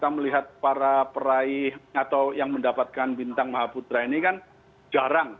kita melihat para peraih atau yang mendapatkan bintang maha putra ini kan jarang